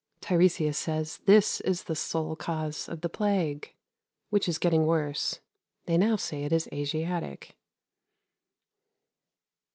Tiresias says this is the sole cause of the plague, which is getting worse. They now say it is Asiatic.